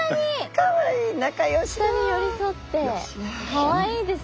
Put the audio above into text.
かわいいですね。